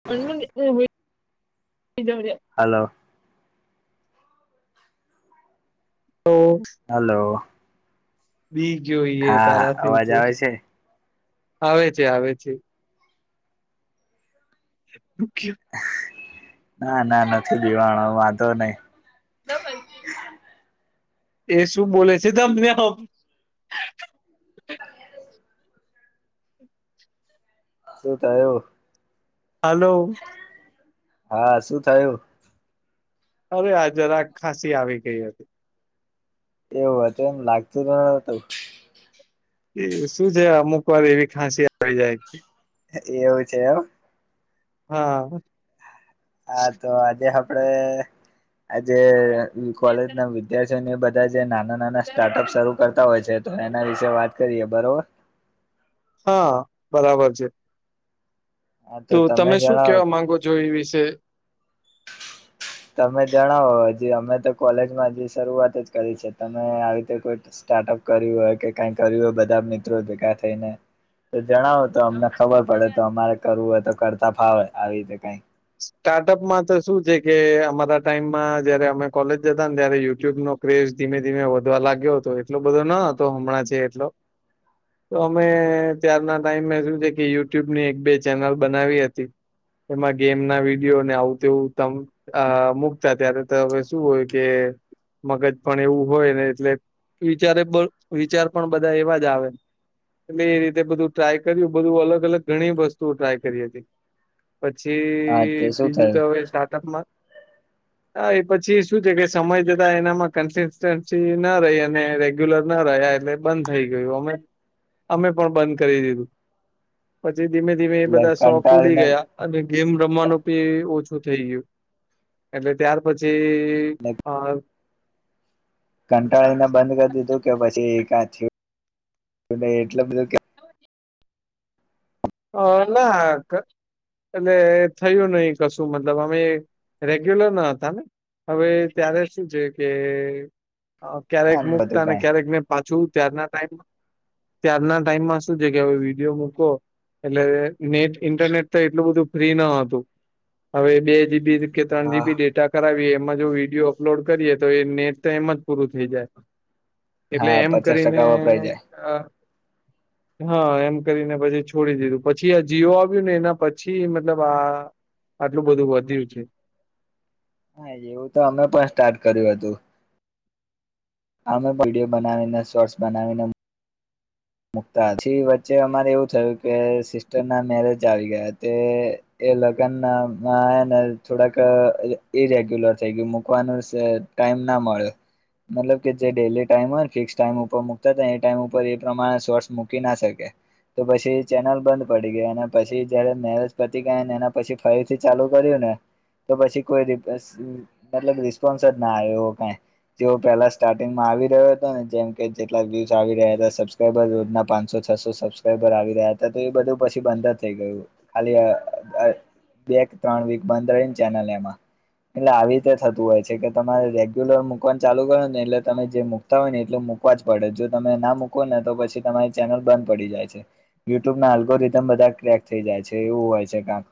[inaudible] Hello તો hello બી ગયો ઈ એ હા તારાથી અવાજ તું આવે છે આવે છે આવે છે. [inaudible] ના ના નથી બીવાણો વાંધો નહી. એ શું બોલે છેમને- [unintelligible] શું થયું આ- હલો હા શું થયું. અરે હા જરાક ખાંસી આવી ગઈ હતી. એવું હતું એમ લાગતું ન હતું. એ શું છે અમુક વાર એવી ખાંસી આવી જાય. એવું છે એમ હા હા તો આજે આપડે આજે કોલેજ ના વિદ્યાર્થીઓને બધા- બધા જે નાના નાના સ્ટાર્ટઅપ શરૂ કરતા હોય છે તો એના વિશે વાત કરીએ બરોબર- હા બરાબર છે. તો તમે શું કેવા માંગો છો એ વિશે? તમે જણાવો હજી અમે તો કોલેજમાં હજી શરૂઆત જ કરી છે તમે આવી રીતે કોઈ- સ્ટાર્ટઅપ કર્યું હોય કે કઈ કર્યું હોય બધા મિત્રો ભેગા થઈને- તો જણાવો તો અમને ખબર પડે તો અમારે કરવું હોય તો કરતા ફાવે આવી રીતે કઈ- સ્ટાર્ટઅપમાં તો શું છે કે અમારા ટાઈમમાં જયારે અમે કોલેજ જતા ને ત્યારે યુટ્યુબ નો- કઝ ધીમે ધીમે વધવા લાગ્યો હતો એટલો બધો ન હતો હમણાં જે એટલો- તો અમે ત્યારના ટાઈમ શું છે કે યુટ્યુબ ની એક બે ચેનલ બનાવી હતી- એમાં- ગેમ ના વિડીયોને આવું તેવું તમ મુકતા ત્યારે તવે શું હોય કે- મગજ પણ એવું હોય ને એટલે વિચારે વિચાર પણ બધા એવા જ આવે- એટલે એ રીતે બધું ટ્રાય કર્યું બધું અલગ અલગ ઘણી વસ્તુઓ ટ્રાય કરી હતી. હા તે પછી શું બીજું તો થયું હવે સ્ટાર્ટઅપમાં- હા એ પછી શું છે કે સમય જતા એનામાં કન્સિસ્ટન્સી ના રહી અને રેગ્યુલર ના રહ્યા એટલે- બંધ થઈ ગયું અમે અમે પણ બંધ કરી દીધું. પછી ધીમે ધીમે એ એટલે બધા શોખ ઉડી કંટાળીને ગયા. અને ગેમ રમવાનું પી ઓછું થઈ ગયું એટલે ત્યાર પછી. કે આ- કંટાળીને બંધ કરી દીધું કે પછી કય એટલ બધું- કે હા [unintelligible] એટલે થયું નહી કશું મતલબ અમે રેગ્યુલર ના હતા ને. હવે ત્યારે શું છે કે ક્યારેક મુકતા બધું અનેને કઈ ક્યારેકને. પાછું ત્યારના ટાઈમ ત્યારના ટાઈમમાં શું છે કે હવે વિડીયો મૂકો. એટલે નેટ ઇન્ટરનેટ તો એટલું બધું ફ્રી ન હતું હવે બે જીબી. કે ત્રણ હા જીબી ડેટા કરાવીએ એમાં જો વિડીિયો અપલોડ કરીએ તો એ નેટ તો એમ જ પૂરું થઈ જાય. એટલે હા એમ પચાસ કરીને ટકા વપરાય જાય હા એમ કરીને પછી. છોડી દીધું પછી આ જીઓ આવ્યું ને એના પછી મતલબ આ આટલું બધું વધ્યું છે. હા એવું તો અમે પણ સ્ટાર્ટ કર્યું હતું. અમે વિડીયો બનાવીને શોર્ટસ બનાવીને. મુક્તા પાછી વચ્ચે અમારે એવું થયું કે સિસ્ટર ના મેરેજ આવી ગયા તે- એ લગ્ન ના એને થોડાક ઈરેગ્યુલર થઈ ગયું મૂકવાનું છે. ટાઈમ ના મળે મતલબ કે જે ડેલી ટાઈમ હોય ને ફિક્સ ટાઈમ ઉપર મકતા હતા એ ટાઈમ ઉપર- પ્રમાણે સોર્સ મૂકી ના શકે. તો પછી ચેનલ બંધ પડી ગયા અને પછી જયારે મેરેજ પતી ગયા ને એના પછી. ફરીથી ચાલુ કર્યું ને તો પછી કોઈ ર- એલ રિસ્પોન્સ જ ના આવે એવો કઈ- તેઓ પહેલા સ્ટાર્ટિંગમાં આવી રહ્યો હતો ને જેમ કે જેટલા વ્યુસ આવી રહ્યા હતા સબ બર રોજના પાંચસો છસો સબસ્ક્રાઈબર આવી રહ્યા હતા તો એ બધું પછી બંધ જ થઈ ગયું. ખાલી બે કે ત્રણ વીક બંધ રહીને ચેનલ એમાં- એટલે આવી રીતે થતું હોય છે કે તમારે રેગ્યુલર મુ કવાનું ચાલુ કરો ને એટલે તમે જેક- હોય ને એટલે મૂકવા જ પડે જો તમે ના મૂકોો ને તો પછી તમારી ચેનલ બંધ પડી જાય છે. યુટ્યુબ ના આલ્ગો રિધમ બધા ક્રેક થઈ જાય છે એવું હોય છે કંક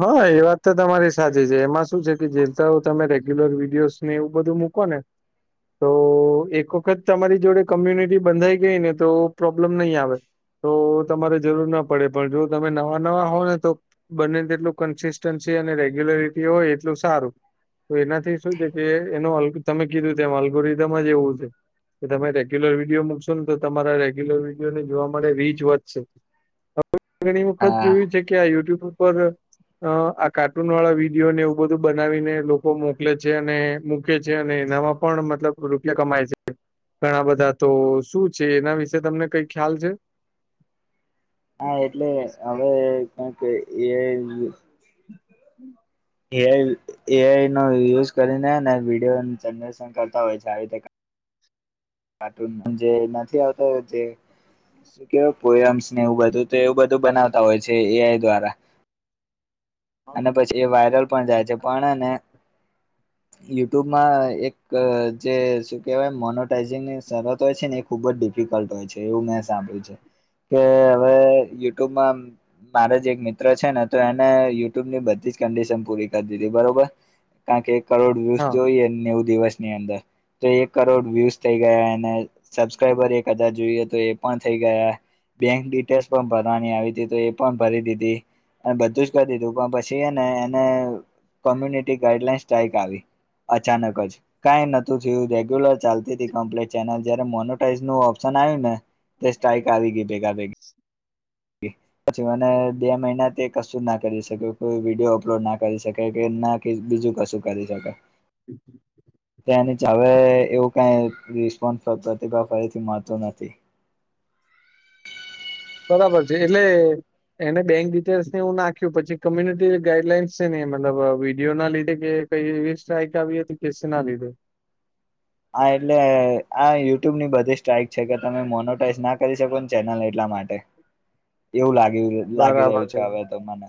હા એ વાત તો તમારી સાચી છે એમાં શું છે કે જેતા તમે રેગ્યુલર વિડીિયોઝ ને એવું બધું મૂક કોણ? તો એક વખત તમારી જોડે કોમ્યુનિટી બંધાઈ ગઈ ને તો પ્રોબ્લેમ નહીં આવે. તો તમારે જરૂર ના પડે પણ જો તમે નવા નવા હોવ ને તો બંને ને તેટલુ એટલું કન્સિસ્ટન્સી અને રેગ્યુલરિટી હોય એટલું સારું. તો એનાથી શું છે કે એનો અગ તમે કીધું ત અલ્ગુરિધમ જ એવું છે. કે તમે રેગ્યુલર વિડીિયો મૂકશો ને તો તમારા રેગ્યુલર વિડીિયો ને જોવા માટે રીચ વધશે. હવે ઘણી વખત હા જોયું છે કે આ યુટ્યુબ ઉપર અ આ કાર્ટૂન વાળા વિડીયોને એવું બધું બનાવીને લોકો મોકલે છે. અને ૂકે છે અને એનામાં પણ મતલબ રૂપિયા કમાય છે. ઘણા બધા તો શું છે એના વિશે તમને કઈ ખ્યાલ છે? હા એટલે હવે કઈક એઆઇ હ એ એઆઈ નો યુઝ કરીને ને વિડીયો જનરેશન કરતા હોય છે આવી રીતે કાર્ટૂન જે નથી આવતો જે શું કેવાય પોયમ્સ ને એવું બધું તો એવું બધું બનાવતા હોય છે એઆઈ દ્વારા. અને પછી એ વાયરલ પણ જાય છે પણને યુટ્યુબમાં એક જે શું કહેવાય મોનોટાાઈઝિંગની શરત હોય છે ને એક ખુબ જ ડિફિકલ્ટ હોય છે એવું મેં સાંભળ્યું છે. કે હવે યુટ્યુબમાં મારે જ એક મિત્ર છે ને તો એને ની બધી જ કન્ડિશન પૂરી કરી દીધી બરોબર કારણ કે એક કરોડ વ્યૂસ હા. જોઈએ નેવું દિવસ. ને અંદર. તો એક કરોડ વ્યુઝ થઈ ગયા. અને સબસ્ક્રાઈબર એક હજાર જોઈએ તો, એ પણ થઈ ગયા. બેંક ડિટેલ્સ પણ ભરવાની આવી તી તો એ પણ ભરી દીધી અને બધું જ કરી દીધું. પણ પછી ને એને કોમ્યુનિટી ગાઈડલાઈન્સ સ્ટાઇક આવી અચાનક જ કાઈ નોતું થયું રેગ્યુલર ચાલતીકમ્પ્લે ચેનલ જ્યારે મોનોટાઈઝ નો ઓપ્શન આવ્યું ને તે સ્ટાઈક આવી ગઈ ભેગાભેગી. પછી મને બે મહિના તે કશું ના કરી શકે કો વિડીયો અપલોડ ના કરી શકે કે ના કે બીજું કશું કરી શકા હમ તેની જ હવે એવું કઈ રિસ્પોન્સ પ્રતિભાવ ફરી મળતો નથી. બરાબર છે એટલે એને બેંક ડિટેલ્સ ને એવુ નાખ્યું પછી કોમ્યુનિટી ગાઈડલાઈનસ છે ને મતલબ વિડીયો ના લીધે કે? કઈ એવી સ્ટ્રાઇક આવીએ તો કે સેના લીધો? આ એટલે આ યુટ્યુબ ની બધી સ ટાઈક છે કે તમે મોનોટાઈઝ ના કરી શકો ને ચેનલ એટલા માટે એવું લાગી લાગી રહ્યું છે હવે તો મને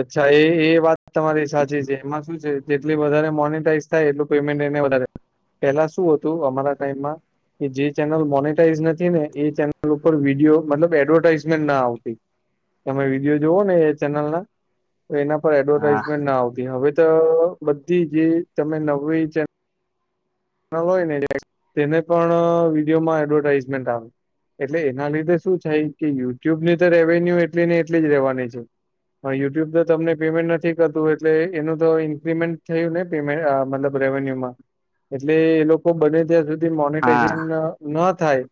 અચ્છા એ એ વાત તમારી સાચી છે એમાં શું છે. જેટલી વધારે મોનેટાઈઝ થાય એટલું પેમેન્ટ એને વધારે, પેલા શું હતું અમારા ટાઈમમાં? જે ચેનલ મોનટાઈઝ નથી ને એ ચેનલ ઉપર વિડીયો મતલબ એડવર્ટાઈઝમેન્ટ ના આવતી. તમે વિડીયો જોઓને એ ચેનલ ના એના પર હા એડવર્ટાઈઝમેન્ટના આવતી હવે તો બધી જે તમે નવી ચેન નવા હોય ને તેને પણ વિડીયોમાં એડવર્ટાઈઝમેન્ટ આવે એટલે એના લીધે શું થાય કે યુટ્યુબ ની તો રેવન્યુ એટલી ને એટલી જ રહેેવાની છે. હા યુટ્યુબ તો તમને પેમેન્ટ નથી કરતું એટલે એનું તો ઈન્ક્રિમેન્ટ થયું ને? મતલબ રેવન્યુમાં? એટલે એ લોકો બને ત્યાં સુધી મોનટાઈઝેશન હા ના થાય.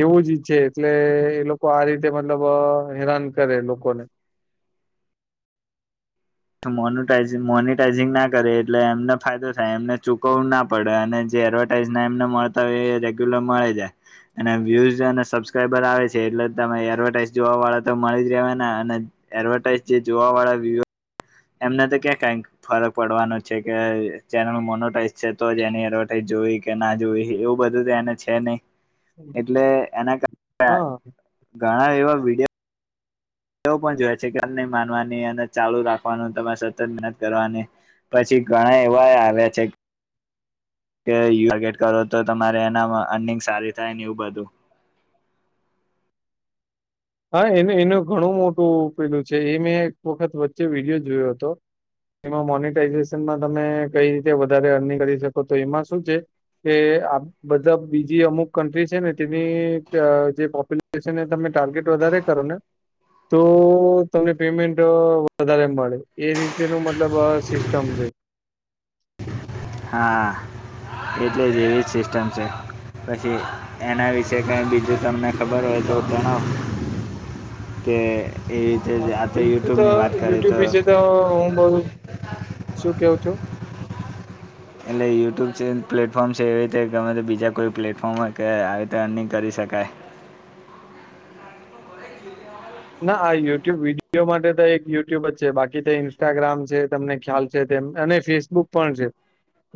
એવું જ ઈચ્છે એટલે એ લોકો આ રીતે મતલબ હેરાન કરે લોકોને મોનો મોનટાઈઝિંગ ના કરે એટલે એમને ફાયદો થાય એમને ચૂકવું ના પડે અને જે એડવર્ટાઈઝના એમને મળતા હોય એ રેગ્યુલર મળે જાય અને વ્યુઝ અને સબસ્ક્રાઈબર આવે છે, એટલે તમે એડવર્ટાઈઝ જોવા વાળા તો મળી જ રહેવા અને એડવર્ટાઈઝ જે જોવા વાળા વ્યુ એમના તો ક્યાં કાઈ ફરક પડવાનો છે, કે ચેનલ મોનોટાઈઝ છે, તો ન એની એડવર્ટાઈઝ જોવી કે ના જોવી એવું બધું તો એને છે, નય એટલે એના કા હા ઘણા એવા વિડીયો યો પણ જોય છે, કે નહી માનવાની અને ચાલુ રાખવાનું તમારે સતત મહેનત કરવાની પછી ઘણા એવા આવે છે. કે [unintelligible] કરો તો તમારે એના અનિંગ સારી થાય ને એવું બધું હા એનું એનું ઘણું મોટું પેલું છે, એ મેં એક વખત વચ્ચે વિડીયો જોયો હતો એમાં મોનટાઈઝેશનમાં તમે કઈ રીતે વધારે અર્નિંગ કરી શકો તો એમાં શું છે. કે આ બધા બીજી અમુક કન્ટ્રી છે, ને તેની જે પોપ્યુલેશન છે, ને તમે ટાર્ગેટ વધારે કરો ને તો તમને પેમેન્ટ વધારે મળે એ રીતે નુ મતલબ સિસ્ટમ છે. હા એટલે જ એવી જ સિસ્ટમ છે. પછી એના વિશે કઈ બીજું તમને ખબર હોય તો જણાવો કે એવી રીતે આ હા બીજું તો યુટ્યુબની વાત કરીએ યુટ્યુબ વિશે તો હું બધુ શું કેવ છું. એટલે યુટ્યુબ છે, પ્લેટફોર્મ છે, એવી રીતે કે ગમે તે બીજા કોઈ પ્લેટફોર્મ હોય કે આવી રીતે અર્નિંગ કરી શકાય ના આ યુટ્યુબ વિડીયો માટે તો એક યુટ્યુબ જ છે, બાકી તો ઇન્સ્ટાગ્રામ છે, તમને ખ્યાલ છે, તેમ અને ફેસબુક પણ છે.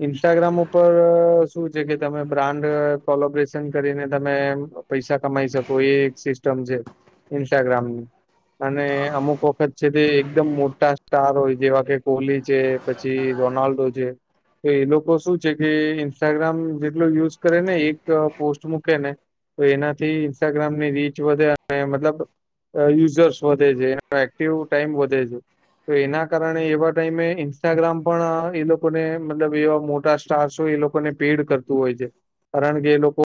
ઇન્સ્ટાગ્રામ ઉપર શું છે, કે તમે બ્રાન્ડ કોલોબ્રેશન કરીને તમે પૈસા કમાઈ શકો એ એક સિસ્ટમ છે, ઇન્સ્ટાગ્રામની અને અમુક વખત છે, તે એકદમ મોટા સ્ટાર હોય જેવા કે કોહલી છે. પછી રોનાલ્ડો છે. તો એ લોકો શું છે, કે ઇન્સ્ટાગ્રામ જેટલો યુઝ કરે ને એક પોસ્ટ મૂકે ને તો એનાથી ઇન્સ્ટાગ્રામની રીચ વધે અને મતલબ અ યુઝર્સ વધે છે, એનો એક્ટિવ ટાઈમ વધે છે. તો એના કારણે એવા ટાઈમે ઇન્સ્ટાગ્રામ પણ એ લોકોને મતલબ એવા મોટા સ્ટારસ હોય એ લો કોને પેડ કરતું હોય છે, કારણ કે એ લોકો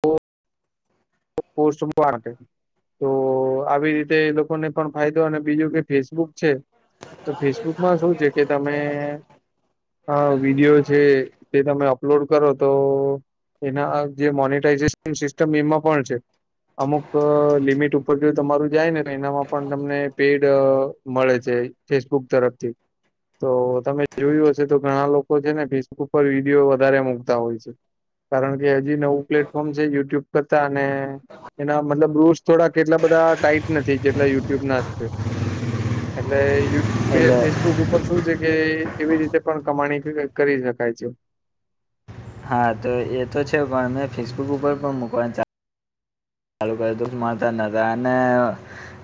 પોસ્ટ વા માટે તો આવી રીતે એ લોકોને પણ ફાયદો અને બીજું કે ફેસબુક છે. તો ફેસબુકમાં શું છે, કે તમે અ વિડીયો છે, તે તમે અપલોડ કરો તો એના જે મોનીટાઈઝેશન સિસ્ટમ એમાં પણ છે. અમુક લિમિટ ઉપર જો તમારું જાય ને એનામાં પણ તમને પેડ મળે છે. ફેસબુક તરફથી તો તમે જોયું હશે તો ઘણા લોકો છે, ને ફેસબુક પર વિડીયો વધારે મુકતા હોય છે. કારણ કે હજી નવું પ્લેટફોર્મ છે, યુટ્યુબ કરતા અને એના મતલબ રૂષ થોડા કેટલા બધા ટાઈટ નથી જેટલા યુટ્યુબના છે. એટલે યૂ પે એટલે ફેસબુક ઉપર શું છે, કે એવી રીતે પણ કમાણી કરી શકાય છે. હા તો એ તો છે, પણ અમે ફેસબુક ઉપર પણ મકવાનું ચા ચાલું [unintelligible] નતા અને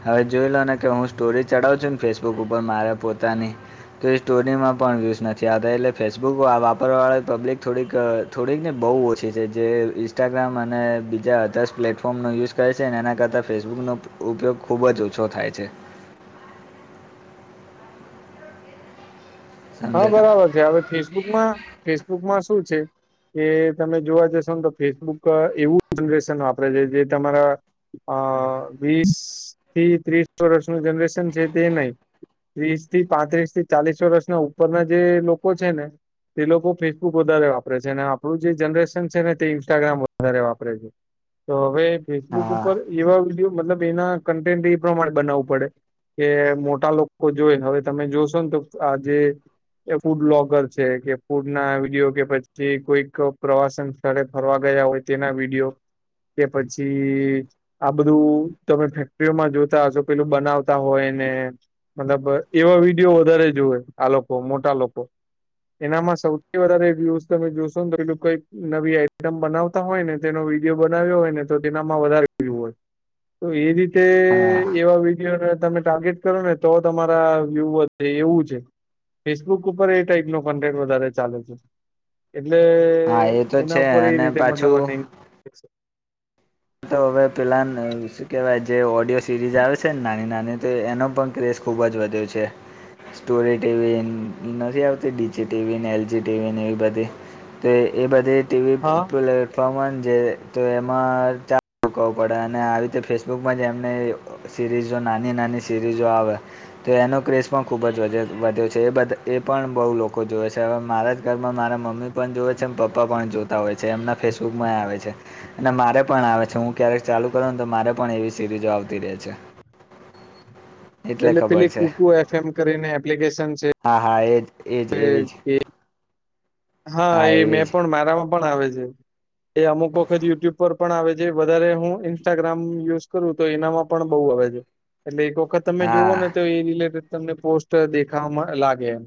હવે જોઈ લો ને કે હું સ્ટોરી ચડાવું છું ને ફેસબુક ઉપર મારે પોતાની તો એ સ્ટોરીમાં પણ યુઝ નથી આવતા એટલે ફેસબુક વાપરવા વાળા પબ્લિક થોડીક થોડીક ને બહુ ઓછી છે. જે ઇન્સ્ટાગ્રામ અને બીજા અધર્સ પ્લેટ ફોમનો યુઝ કરે છે અને એના કરતાં ફેસબુકનો ઉપયોગ ખૂબ જ ઓછો થાય છે. હા સમજે તમે બરાબર છે. હવે ફેસબુકમાં ફેસબુકમાં શું છે? કે તમે જોવા જશો ને તો ફેસબુક એવું જનરેશન વાપરે છે. જે તમારા અ વીસ થી ત્રીસ વર્ષનું જનરેશન છે તે નય ત્રીસ થી પાંત્રીસ થી ચાલીસ વર્ષના ઉપરના જે લોકો છે ને તે લોકો ફેસબુક વધારે વાપરે છે, અને આપણું જે જનરેશન છે ને તે ઇન્સ્ટાગ્રામ વધારે વાપરે છે. તો હવે ફેસબુક હા ઉપર એવા વિડીયો મતલબ એના કન્ટેન્ટ એ પ્રમાણે બનાવવું પડે. કે મોટા લોકો જોઈને હવે તમે જોશો ને તો આજે એ ફૂડલોગર છે કે ફૂડ ના વિડીયો કે પછી કોઈક પ્રવાસન સ્થળે ફરવા ગયા હોય તેના વિડીયો કે પછી આ બધું તમે ફેક્ટરીઓમાં જોતા હશો પેલું બનાવતા હોય ને મતલબ એવા વિડીયો વધારે જુવે. આ લોકો મોટા લોકો. એનામાં સૌથી વધારે વ્યુસ તમે જોશો ને તો એલું કઈક નવી આઈટમ બનાવ તા હોય ને તેનો વિડીયો બનાવ્યો હોય ને, તો તેનામાં વધારે [unintelligible] હોય તો એ રીતે હા એવા વિડીયો ના તમે ટાર્ગેટ કરો ને તો તમારા વ્યુ વધે એવું છે. ફેસબુક ઉપર એ ટાઈપ નો કન્ટેન્ટ વધારે ચાલે છે, એટલે હા એ તો છે એના ઉપર એ અને રીતે પાછું મતલબન તો હવે પેલા શું કેહેવાય જે ઓડિયો સિરીઝ આવે છે ને, નાની-નાની તો એનો પણ ક્રેઝ ખૂબ જ વધ્યું છે સ્ટોરી ટવી નથી આવતી ડીજી ટીવીને એલજી ટીવી એવી બધી તો એ બધી ટીવી હા પ્લેટફોર્મ હો જે તો એમાં વ પડે અને આવી રીતે ફેસબુકમાં જ એમને સિરીઝો નાની નાની સિરીઝો આવે તો એનો ક્રેસ પણ ખુબ જ વધ્યો છે એ એ પણ બહુ લોકો જોવે છે હવે મારા જ માં મારા મમ્મી પણ જોવે છે પપ્પા પણ જોતા હોય છે એમના ફેસબુક માં આવે છે અને મારે પણ આવે છે હું ક્યારેક ચાલુ કરું ને તો મારે પણ એવી સિરીઝો આવતી રહે છે એટલે ખબર પેલી છે કુકુ એફ એમ કરીને એપ્લિકેશન છે હા હા એજ એજ એવી જ હા એ એવી મેં જ પણ મારામાં પણ આવે છે એ અમુક વખત યુટ્યુબ પર પણ આવે છે વધારે હું ઇન્સ્ટાગ્રામ યુઝ કરું તો એનામાં પણ બહુ આવે છે એટલે એક વખત તમે જોુવઓ હા ને તો એ રિલેટેડ તમને પોસ્ટ દેખાવામાં લાગે એમ